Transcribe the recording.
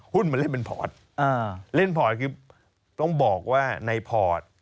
หุ้นมันเล่นเป็นพอร์ตเล่นพอร์ตคือต้องบอกว่าในพอร์ต